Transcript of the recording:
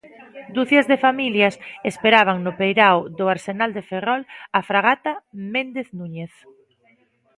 Ducias de familias esperaban no peirao do Arsenal de Ferrol a fragata Méndez Núñez.